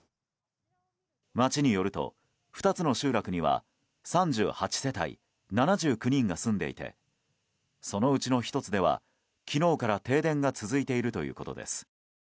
町によると、２つの集落には３８世帯７９人が住んでいてそのうちの１つでは昨日から停電が続いているということです。